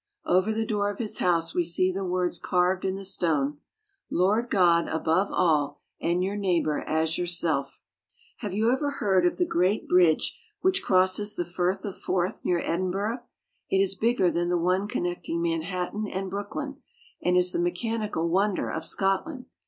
Over the door of his house we see the words carved in the stone, " Love God above all and your neighbor as yourself." we see women standing in tubs." Have you ever heard of the great bridge which crosses the Firth of Forth near Edinburgh ? It is bigger than the one connecting Manhattan and Brooklyn, and is the me chanical wonder of Scotland.